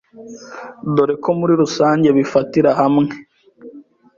dore ko muri rusange bifatira hamwe